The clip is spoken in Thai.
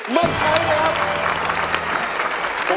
ไม่ใช้ครับ